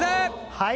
はい。